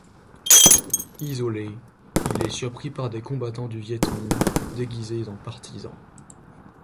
Isolé, il est surpris par des combattants du Viet Minh, déguisés en partisans.